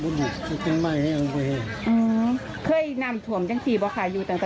ตีนี้ด้านไหนพี่เฉียนจันทราโนไทแผ่ว่าราชการจังหวัดไทยภูมิต้องเปิด